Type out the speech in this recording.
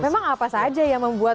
memang apa saja yang membuat